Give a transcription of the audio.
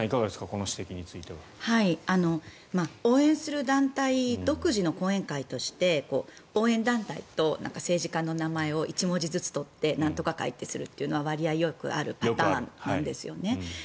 この指摘については。応援する団体独自の後援会として応援団体と政治家の名前を１文字ずつ取ってなんとか会とするというのはわりとよくあるパターンなんです。